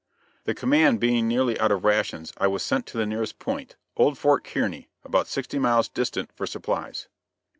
The command being nearly out of rations I was sent to the nearest point, Old Fort Kearney, about sixty miles distant for supplies.